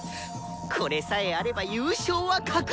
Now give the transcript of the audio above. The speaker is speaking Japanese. これさえあれば優勝は確実！